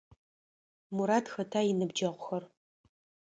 Мурат, хэта уиныбджэгъур?